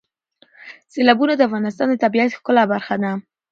سیلابونه د افغانستان د طبیعت د ښکلا برخه ده.